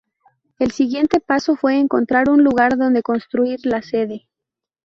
El siguiente paso fue encontrar un lugar donde construir la sede.